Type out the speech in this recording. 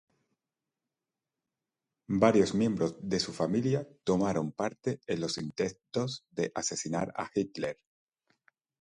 Varios miembros de su familia tomaron parte en los intentos de asesinar a Hitler.